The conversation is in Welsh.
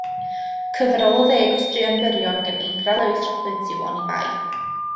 Cyfrol o ddeg o straeon byrion gan Eigra Lewis Roberts yw Oni Bai.